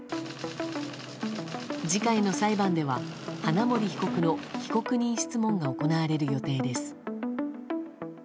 次回の裁判では花森被告の被告人質問が行われる予定です。